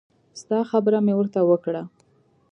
ستا خبره مې ورته وکړه.